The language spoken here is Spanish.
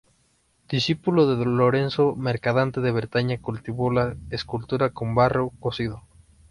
Discípulo de Lorenzo Mercadante de Bretaña, cultivó la escultura en barro cocido.